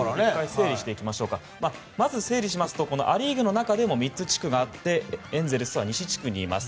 整理していきますとア・リーグの中でも３つ地区があってエンゼルスは西地区にいます。